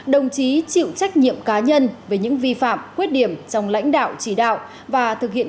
đồng chí chịu trách nhiệm cá nhân về những vi phạm khuyết điểm trong lãnh đạo chỉ đạo và thực hiện